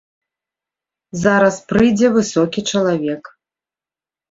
Зараз прыйдзе высокі чалавек.